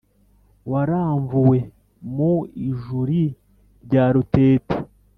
waramvuwe mu ijuli rya rutete